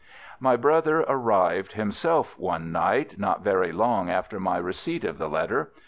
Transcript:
"My brother arrived himself one night not very long after my receipt of the letter.